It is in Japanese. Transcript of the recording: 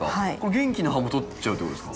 元気な葉も取っちゃうってことですか？